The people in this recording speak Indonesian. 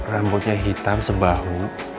rambutnya hitam sebahu